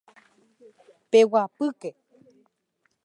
Peguapýke.